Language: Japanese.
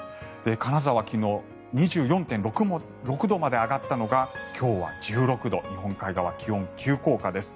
金沢、昨日２４．６度まで上がったのが今日は１６度日本海側、気温急降下です。